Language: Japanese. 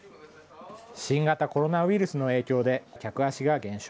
新型コロナウイルスの影響で客足が減少。